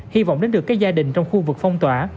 hy vọng đến được các gia đình trong khu vực phong tỏa